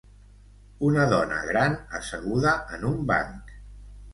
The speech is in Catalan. Una dona gran asseguda en un banc